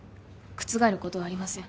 覆ることはありません